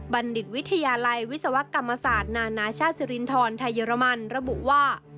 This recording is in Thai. บัณฑิตวิทยาลัยวิศวกรรมศาสตร์นานาชาติสิรินทรไทยเยอรมันระบุว่า